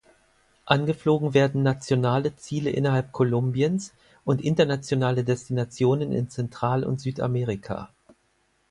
Angeflogen werden nationale Ziele innerhalb Kolumbiens und internationale Destinationen in Zentral- und Südamerika.